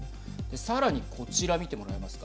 さらに、こちら見てはい。